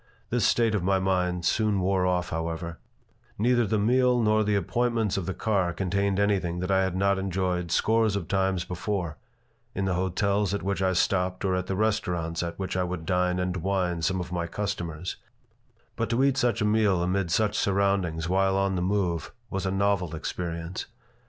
This state of my mind soon wore off, however Neither the meal nor the appointments of the car contained anything that I had not enjoyed scores of times before in the hotels at which I stopped or at the restaurants at which I would dine and wine some of my customers; but to eat such a meal amid such surroundings while on the move was a novel experience.